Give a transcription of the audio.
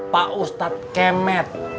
pak ustadz kemet